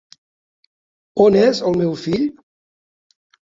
On és el meu fill?